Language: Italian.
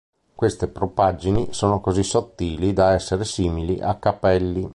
Queste propaggini sono così sottili da essere simili a capelli.